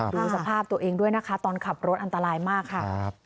ดูสภาพตัวเองด้วยนะคะตอนขับรถอันตรายมากค่ะ